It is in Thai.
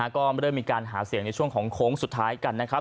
ก็เริ่มมีการหาเสียงในช่วงของโค้งสุดท้ายกันนะครับ